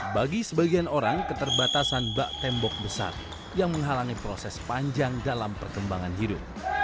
bagi sebagian orang keterbatasan bak tembok besar yang menghalangi proses panjang dalam perkembangan hidup